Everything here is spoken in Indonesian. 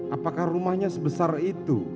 apakah rumahnya sebesar itu